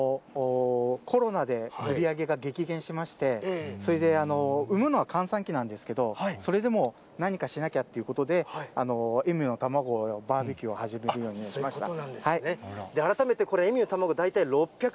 コロナで売り上げが激減しまして、それで産むのは閑散期なんですけど、それでも何かしなきゃっていうことで、エミューの卵のバーベキューを始めるようになりました。